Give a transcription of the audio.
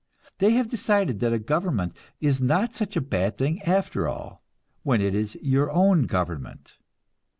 They have decided that a government is not such a bad thing after all when it is your own government!